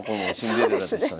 そうですね。